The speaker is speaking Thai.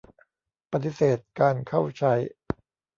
ปฏิเสธการเข้าใช้.